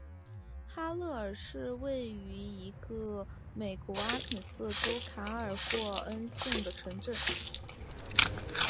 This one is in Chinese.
哈勒尔是一个位于美国阿肯色州卡尔霍恩县的城镇。